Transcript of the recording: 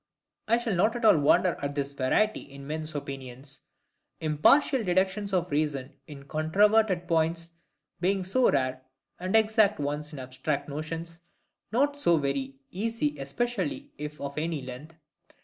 I shall not at all wonder at this variety in men's opinions: impartial deductions of reason in controverted points being so rare, and exact ones in abstract notions not so very easy especially if of any length.